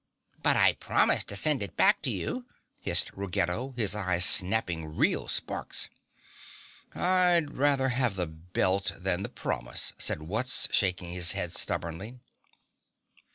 "But I promise to send it back to you," hissed Ruggedo, his eyes snapping real sparks. "I'd rather have the belt than the promise," said Wutz, shaking his head stubbornly.